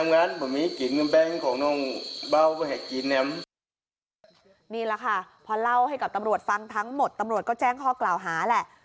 นี่แหละค่ะพอเล่าให้กับตำรวจฟังทั้งหมดตำรวจก็แจ้งข้อกล่าวหาแหละ